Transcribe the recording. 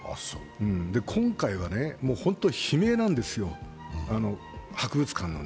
今回は本当に悲鳴なんですよ、博物館の。